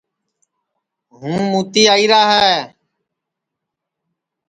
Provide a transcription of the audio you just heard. ہُوں مُوتی آئیرا ہے